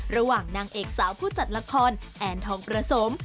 นางเอกสาวผู้จัดละครแอนทองประสม